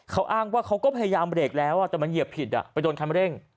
เขาอ้างว่าเขาก็พยายามเบรกแล้วแต่มันเหยียบผิดไปโดนคันเร่ง